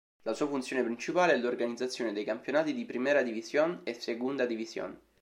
La sua funzione principale è l'organizzazione dei campionati di Primera División e Segunda División.